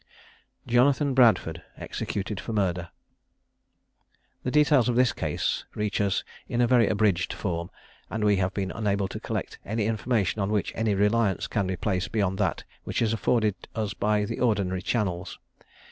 _] JONATHAN BRADFORD. EXECUTED FOR MURDER. The details of this case reach us in a very abridged form; and we have been unable to collect any information on which any reliance can be placed beyond that which is afforded us by the ordinary channels.